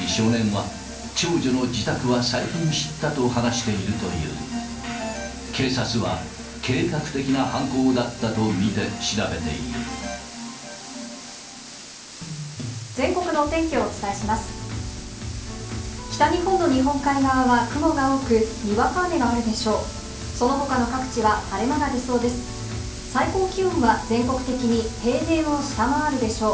北日本の日本海側は雲が多く、にわか雨があるでしょう。